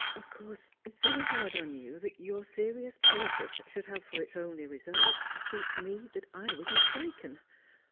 Of course it's very hard on you that your serious purpose should have for its only result to teach me that I was mistaken.